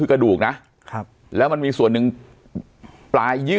ใช่ครับ